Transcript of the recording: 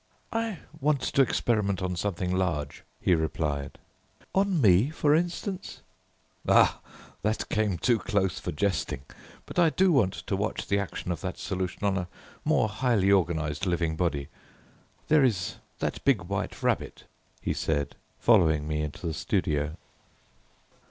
"I want to experiment on something large," he replied. "On me, for instance?" "Ah! that came too close for jesting; but I do want to watch the action of that solution on a more highly organized living body; there is that big white rabbit," he said, following me into the studio.